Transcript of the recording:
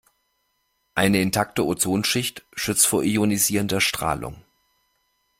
Eine intakte Ozonschicht schützt vor ionisierender Strahlung.